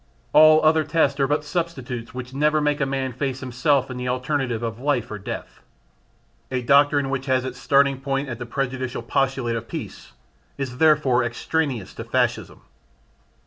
All other tests are but substitutes which never make a man face himself in the alternative of life or death. A doctrine which has its starting point at the prejudicial postulate of peace is therefore extraneous to Fascism.